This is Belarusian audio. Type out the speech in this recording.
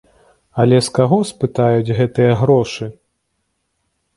Але з каго спытаюць гэтыя грошы?